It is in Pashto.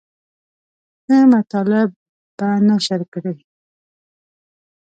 ښه مطالب به نشر کړي.